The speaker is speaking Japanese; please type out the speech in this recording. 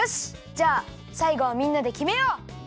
じゃあさいごはみんなできめよう！